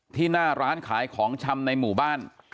หน้าร้านขายของชำในหมู่บ้าน